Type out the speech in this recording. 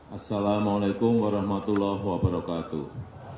assalamu alaikum warahmatullahi wabarakatuh